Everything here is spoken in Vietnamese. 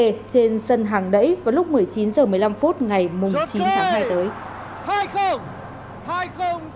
trên sân hàng đẩy vào lúc một mươi chín h một mươi năm phút ngày chín tháng hai tới